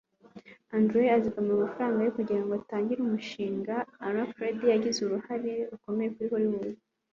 Andre azigama amafaranga ye kugirango atangire umushinga. Anna Freud yagize uruhare rukomeye kuri Hollywood.